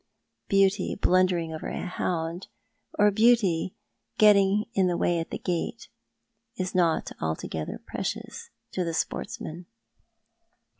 Beanty blundering over a hound, or beauty getting in the way at a gate, is not altogether precious to the sportsman.